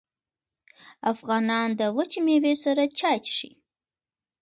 افغانان د وچې میوې سره چای څښي.